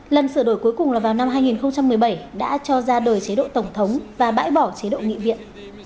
lần sửa đổi cuối cùng là vào năm hai nghìn một mươi bảy đã cho ra đời chế độ tổng thống và bãi bỏ chế độ nghị viện